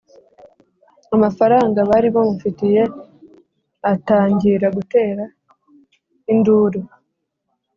amafaranga bari bamufitiye atangira gutera induru